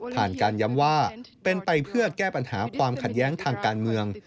การย้ำว่าเป็นไปเพื่อแก้ปัญหาความขัดแย้งทางการเมือง